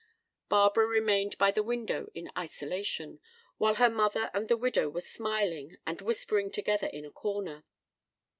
Barbara remained by the window in isolation, while her mother and the widow were smiling and whispering together in a corner.